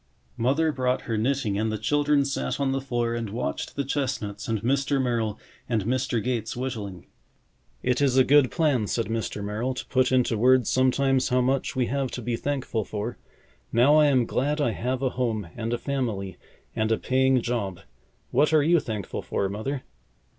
Mother brought her knitting and the children sat on the floor and watched the chestnuts and Mr. Merrill and Mr. Gates whittling. "It is a good plan," said Mr. Merrill, "to put into words sometimes how much we have to be thankful for. Now I am glad I have a home and a family and a paying job. What are you thankful for, Mother?"